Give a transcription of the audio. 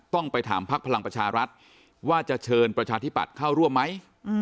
ต้องไปถามพักพลังประชารัฐว่าจะเชิญประชาธิปัตย์เข้าร่วมไหม